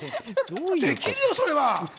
できるよそれは。